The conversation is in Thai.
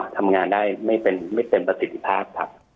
ทำงานได้ไม่เต็มประสิทธิภาพครับ